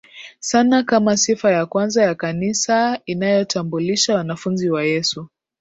sana kama sifa ya kwanza ya Kanisa inayotambulisha wanafunzi wa Yesu